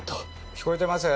聞こえてます？